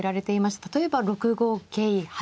例えば６五桂８